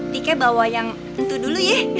tike bawa yang itu dulu ye